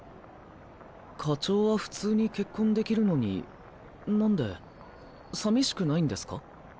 課長は普通に結婚できるのに何で。さみしくないんですか？